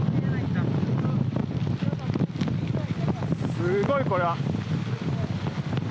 すごい、これは。